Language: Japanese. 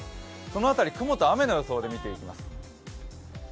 その辺り、雲と雨の予想で見ていきます。